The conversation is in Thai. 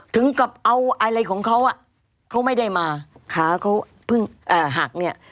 ถึงกับเอาอะไรของเขาเขาไม่ได้มาขาเขาเพิ่งหักเนี่ย